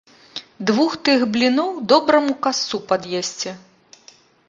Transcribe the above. Двух тых бліноў добраму касцу пад'есці.